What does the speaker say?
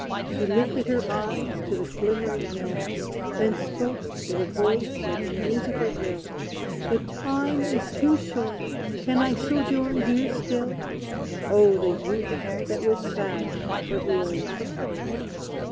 She lifted her eyes to the glimmering hill, Then spoke, with a voice like a musical rill, "The time is too short; can I sojourn here still?" Oh, the Youth that was sad for Deloya!